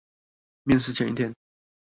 面試前一天